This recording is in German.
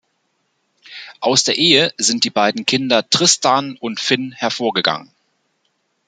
Aus der Ehe sind die beiden Kinder Tristan und Finn hervorgegangen.